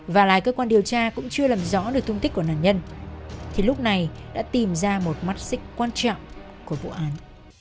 và lại cơ quan điều tra cũng chưa làm rõ được thông tích của nạn nhân thì lúc này đã tìm ra một mắt xích quan trọng của vụ án